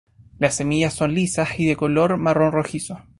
Las semillas son lisas y de color marrón rojizo.